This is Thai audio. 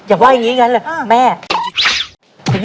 อย่าว่าอย่างงี้อย่างงั้นละ